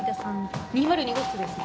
２０２号室ですが。